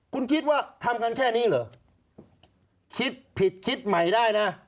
คุณคิดว่าทำกันแค่นี้เหรอคิดผิดคิดใหม่ได้นะ